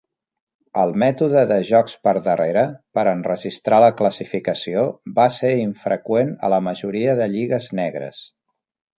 El mètode de "jocs per darrere" per enregistrar la classificació va ser infreqüent a la majoria de lligues negres.